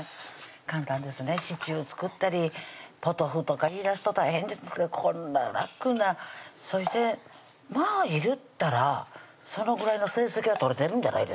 簡単ですねシチュー作ったりポトフとか言いだすと大変ですけどこんな楽なそしてまぁ言ったらそのぐらいの成績は取れてるんじゃないですか？